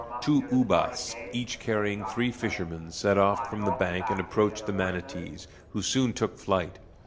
Two ubas, each carrying three fishermen, set off from the bank and approached the manatees, who soon took flight.